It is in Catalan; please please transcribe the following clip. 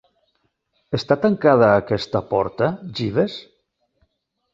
Està tancada aquesta porta, Jeeves?